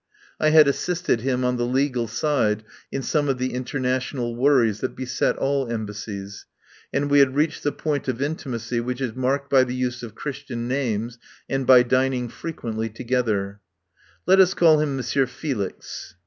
I had assisted him on the legal side in some of the international worries that beset all Embassies, and we had reached the point of intimacy which is marked by the use of Christian names and by dining frequently together. Let us call him Monsieur Felix.